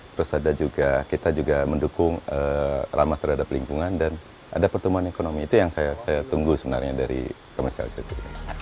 terus ada juga kita juga mendukung ramah terhadap lingkungan dan ada pertumbuhan ekonomi itu yang saya tunggu sebenarnya dari komersialisasi